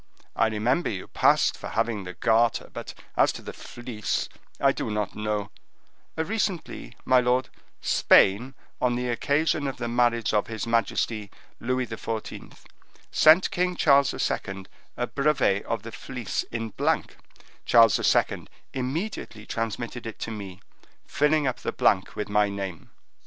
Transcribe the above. I remember you passed for having the Garter; but as to the Fleece, I do not know—" "Recently, my lord, Spain, on the occasion of the marriage of his majesty Louis XIV., sent King Charles II. a brevet of the Fleece in blank; Charles II. immediately transmitted it to me, filling up the blank with my name."